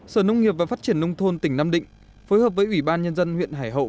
sở nông nghiệp và phát triển nông thôn tỉnh nam định phối hợp với ủy ban nhân dân huyện hải hậu